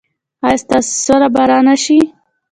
ایا ستاسو سوله به را نه شي؟